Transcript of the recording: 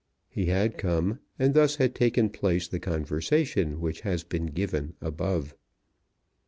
He had come, and thus had taken place the conversation which has been given above.